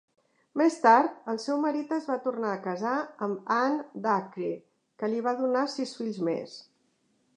Més tard el seu marit es va tornar a casar amb Anne Dacre, que li va donar sis fills més.